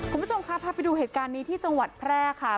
คุณผู้ชมครับพาไปดูเหตุการณ์นี้ที่จังหวัดแพร่ค่ะ